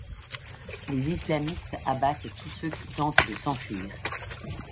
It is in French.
Les islamistes abattent tous ceux qui tentent de s'enfuir.